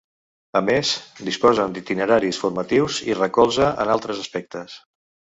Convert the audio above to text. A més, disposen d’itineraris formatius i recolze en altres aspectes.